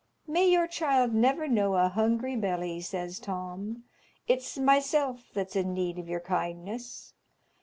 "May your child never know a hungry belly!" says Tom; "it's myself that's in need of your kindness.